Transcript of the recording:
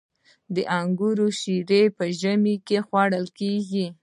د انګورو شیره په ژمي کې خوړل کیږي.